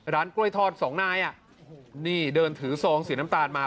ร้านกล้วยทอด๒นายนี่เดินถือทรองสีน้ำตาลมา